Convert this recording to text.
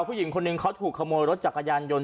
ผู้หญิงคนหนึ่งเขาถูกขโมยรถจักรยานยนต